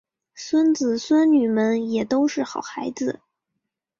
孙子孙女们也都是好孩子